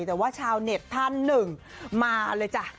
แต่เช้าแนตทันหนึ่งมาเลยจ้ะ